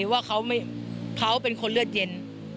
ว่าเขาเป็นคนเลือดเย็น